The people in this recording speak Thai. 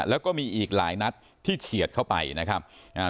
แล้วก็มีอีกหลายนัดที่เฉียดเข้าไปนะครับอ่า